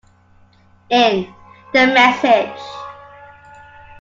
In: The Message.